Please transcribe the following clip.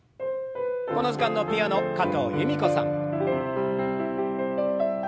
この時間のピアノ加藤由美子さん。